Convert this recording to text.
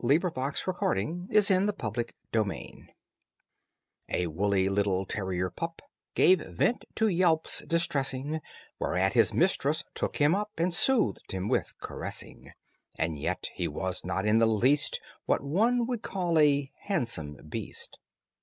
THE PAMPERED LAPDOG AND THE MISGUIDED ASS A woolly little terrier pup Gave vent to yelps distressing, Whereat his mistress took him up And soothed him with caressing, And yet he was not in the least What one would call a handsome beast.